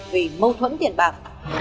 vì mâu thuẫn tiền bạc